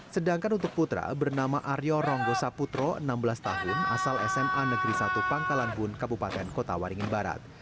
sedangkan untuk putra bernama aryo ronggo saputro enam belas tahun asal sma negeri satu pangkalan bun kabupaten kota waringin barat